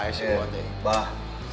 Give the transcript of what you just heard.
eh siwa teh